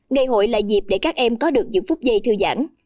ngày hội là dịp để các em có được những phút giây thư giãn